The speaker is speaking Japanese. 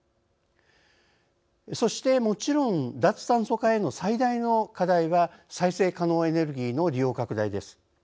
そしてもちろん脱炭素化への最大の課題は再生可能エネルギーの利用拡大です。